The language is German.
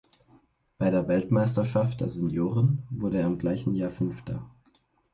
Bei der Weltmeisterschaft der Senioren wurde er im gleichen Jahr Fünfter.